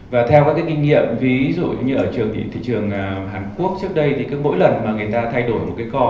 và theo các cái kinh nghiệm ví dụ như ở thị trường hàn quốc trước đây thì cứ mỗi lần mà người ta thay đổi một cái co